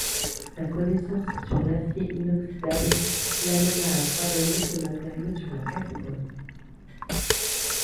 Sa connaissance sur l’acier inoxydable l’amena à travailler ce matériau sur la casserole.